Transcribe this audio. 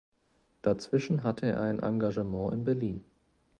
Dazwischen hatte er ein Engagement in Berlin.